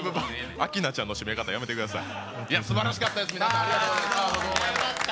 明菜ちゃんの締め方、やめてください。